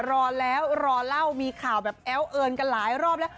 รอแล้วรอเล่ามีข่าวแบบแอ้วเอิญกันหลายรอบแล้ว